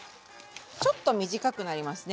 ちょっと短くなりますね